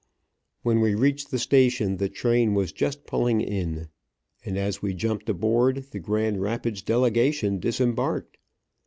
When we reached the station, the train was just pulling in; and, as we jumped aboard, the Grand Rapids delegation disembarked.